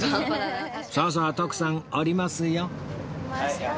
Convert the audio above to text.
さあさあ徳さん降りますよ